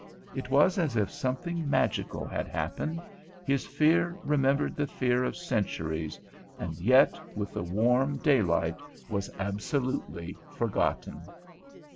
It was as if something magical had happened; his fear remembered the fear of centuries, and yet with the warm daylight was absolutely forgotten.